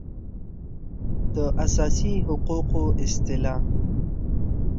د اساسي حقوقو اصطلاح